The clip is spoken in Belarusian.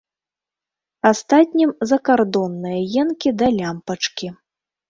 Астатнім закардонныя енкі да лямпачкі.